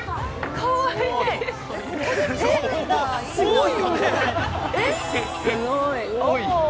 かわいい！